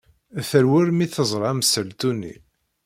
Terwel mi teẓra amsaltu-nni.